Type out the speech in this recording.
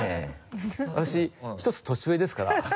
私１つ年上ですから。